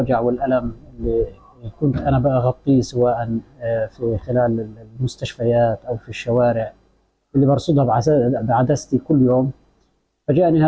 jadi saya mendapatkan kisah yang senang dan saya bersemangat dengan keadaan ini